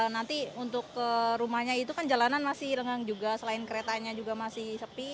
nanti untuk ke rumahnya itu kan jalanan masih lengang juga selain keretanya juga masih sepi